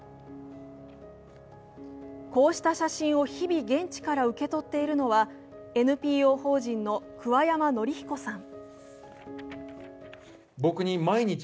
こうした写真を日々、現地から受け取っているのはＮＰＯ法人の桑山紀彦さん。